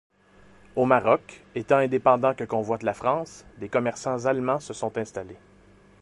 Au Maroc, État indépendant que convoite la France, des commerçants allemands se sont installés.